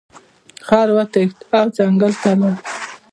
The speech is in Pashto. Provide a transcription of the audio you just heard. خر وتښتید او ځنګل ته لاړ.